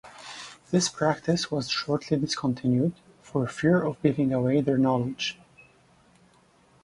This practice was shortly discontinued, for fear of giving away their knowledge.